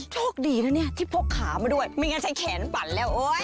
โชคดีนะเนี่ยที่พกขามาด้วยไม่งั้นใช้แขนปั่นแล้วโอ๊ย